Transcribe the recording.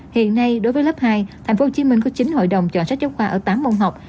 hiện nay đối với lớp hai tp hcm có chín hội đồng chọn sách giáo khoa ở tám môn học